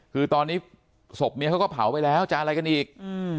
คือตอนนี้ศพเมียเขาก็เผาไปแล้วจะอะไรกันอีก